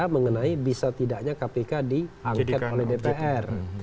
mengenai bisa tidaknya kpk diangket oleh dpr